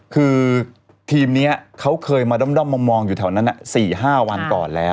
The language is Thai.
คือทีมนี้เขาเคยมาด้อมมองอยู่แถวนั้น๔๕วันก่อนแล้ว